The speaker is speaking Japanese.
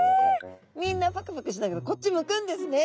みんなパクパクしながらこっちむくんですね。